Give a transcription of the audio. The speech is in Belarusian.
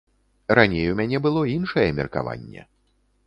Раней у мяне было іншае меркаванне.